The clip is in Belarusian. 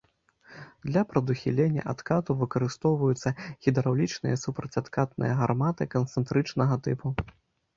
Для прадухілення адкату выкарыстоўваюцца гідраўлічныя супрацьадкатныя гарматы канцэнтрычнага тыпу.